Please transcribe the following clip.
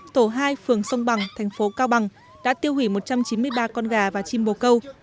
tổ hai phường sông bằng thành phố cao bằng đã tiêu hủy một trăm chín mươi ba con gà và chim bồ câu